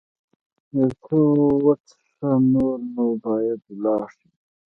یو څه وڅښه، نور نو باید ولاړ شم.